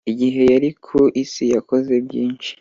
Igihe yari ku isi yakoze byinshi